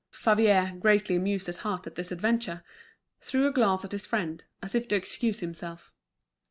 Favier, greatly amused at heart at this adventure, threw a glance at his friend, as if to excuse himself.